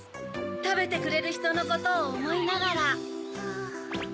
たべてくれるひとのことをおもいながら。